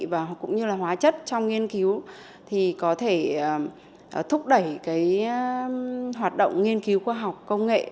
và cũng như là hóa chất trong nghiên cứu thì có thể thúc đẩy cái hoạt động nghiên cứu khoa học công nghệ